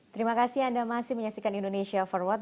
terima kasih anda masih menyaksikan indonesia forward